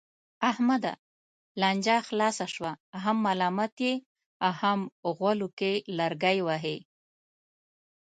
احمده! لانجه خلاصه شوه، هم ملامت یې هم غولو کې لرګی وهې.